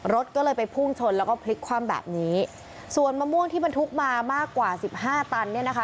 รถก็เลยไปพุ่งชนแล้วก็พลิกคว่ำแบบนี้ส่วนมะม่วงที่บรรทุกมามากกว่าสิบห้าตันเนี่ยนะคะ